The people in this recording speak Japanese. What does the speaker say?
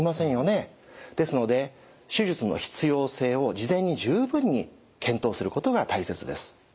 ですので手術の必要性を事前に十分に検討することが大切です。